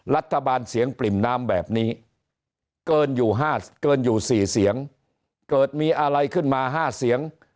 รัฐบาลเสียงปริ่มน้ำแบบนี้เกินอยู่เกินอยู่๔เสียงเกิดมีอะไรขึ้นมา๕เสียง